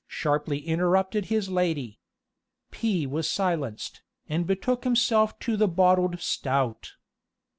sharply interrupted his lady. P. was silenced, and betook himself to the bottled stout.